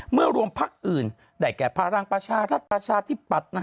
รวมพักอื่นได้แก่พลังประชารัฐประชาธิปัตย์